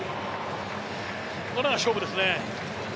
ここからが勝負ですね。